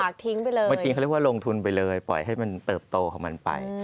มันทิ้งเขาเรียกว่าลงทุนไปเลยปล่อยให้มันเติบโตของมันไป